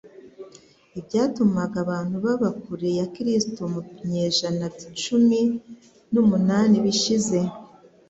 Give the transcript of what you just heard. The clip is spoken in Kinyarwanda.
Ibyatumaga abantu baba kure ya Kristo mu binyejana cumi n'umunani bishize,